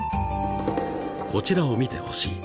［こちらを見てほしい］